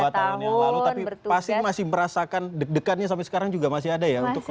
dua tahun yang lalu tapi pasti masih merasakan deg degannya sampai sekarang juga masih ada ya